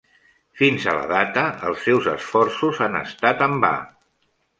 Fins a la data, els seus esforços han estat en va.